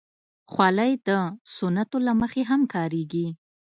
خولۍ د سنتو له مخې هم کارېږي.